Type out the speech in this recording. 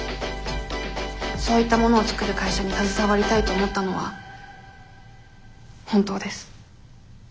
そういったものを作る会社に携わりたいと思ったのは本当です。